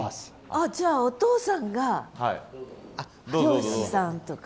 あっじゃあお父さんが漁師さんとか？